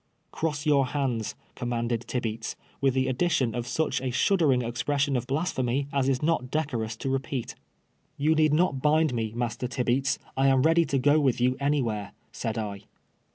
" Cross your hands," commanded Tibeats, with the addition of such a shuddering expression of blasphe my as is not decorous to rej^eat. 8 114 twel st: teaks a slave. " You need not Wind nie, Master Tibeats, I am ready to o;o Avitli you anywhere," said I.